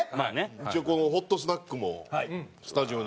一応ホットスナックもスタジオに。